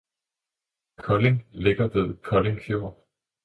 Kolding ligger ved Kolding Fjord